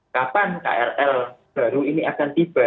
kapan krl baru ini akan tiba